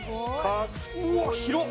うわっ、広。